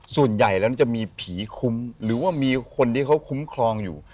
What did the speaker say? ส่วนใหญ่แล้วจะมีผีคุ้มหรือว่ามีคนที่เขาคุ้มครองอยู่